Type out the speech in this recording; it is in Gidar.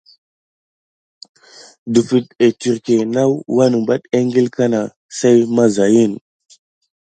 Dəfət etirke naw wanebate eŋgil kana sey mazayin.